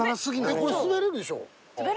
これ滑れるでしょ。